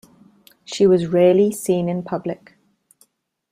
She was rarely seen in public.